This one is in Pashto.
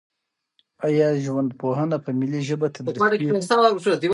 آیا ژوندپوهنه په ملي ژبه تدریس کیږي؟